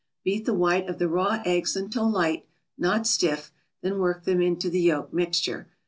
Beat the white of the raw eggs until light, not stiff, then work them into the yolk mixture.